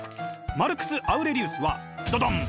マルクス・アウレリウスはどどん！